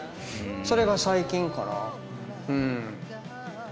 それが最近かな。